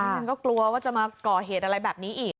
มันก็กลัวว่าจะมาก่อเหตุอะไรแบบนี้อีก